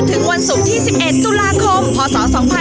วันศุกร์ที่๑๑ตุลาคมพศ๒๕๖๒